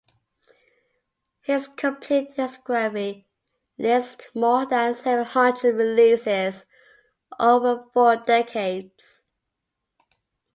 His complete discography lists more than seven hundred releases over four decades.